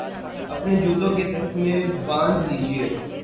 اپنے جوتوں کے تسمے باندھ لیجئے